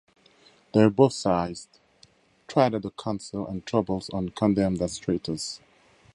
They were both seized, tried at the Council of Troubles and condemned as traitors.